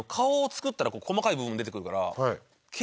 細かい部分出てくるから。